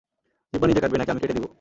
জিহ্বা নিজে কাটবে, নাকি আমি কেটে দিব?